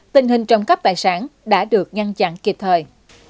tình hình trồng cắp tài sản đã được ngăn chặn kịp thời